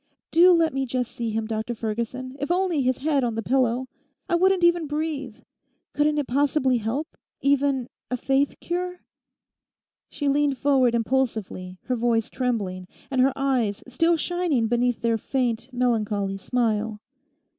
Do let me just see him, Dr Ferguson, if only his head on the pillow! I wouldn't even breathe. Couldn't it possibly help—even a faith cure?' She leant forward impulsively, her voice trembling, and her eyes still shining beneath their faint, melancholy smile.